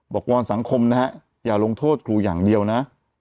วอนสังคมนะฮะอย่าลงโทษครูอย่างเดียวนะ